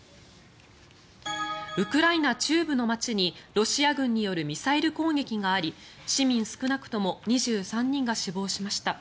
ウクライナ中部の街にロシア軍によるミサイル攻撃があり市民少なくとも２３人が死亡しました。